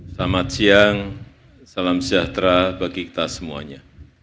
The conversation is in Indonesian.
selamat siang salam sejahtera bagi kita semuanya